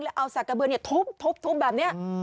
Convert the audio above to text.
แล้วเอาสากกระเบือทุบแบบนี้